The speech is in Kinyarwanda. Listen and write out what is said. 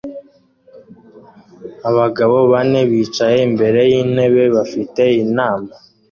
Abagabo bane bicaye imbere yintebe bafite inama